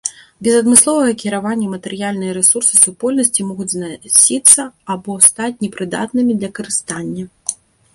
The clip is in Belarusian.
Без адмысловага кіравання матэрыяльныя рэсурсы супольнасці могуць знасіцца або стаць непрыдатнымі для карыстання.